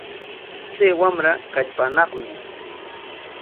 Chay wamra kallpaanaqmi.